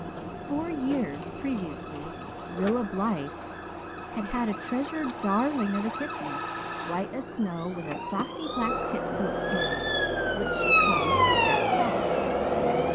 Four years previously Rilla Blythe had had a treasured darling of a kitten, white as snow, with a saucy black tip to its tail, which she called Jack Frost.